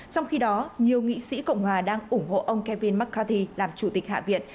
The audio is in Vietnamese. trong khi đó nhiều nghị sĩ cộng hòa đang ủng hộ ông kevin mccarthy làm chủ tịch hạ viện